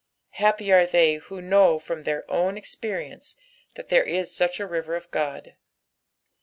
Hiippjare the; who know from their own experience that there b such a river of tiod.